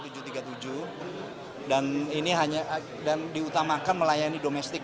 dan ini hanya diutamakan melayani domestik